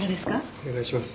お願いします。